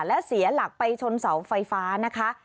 และเสียหลักไปชนเสาไฟฟ้านะคะ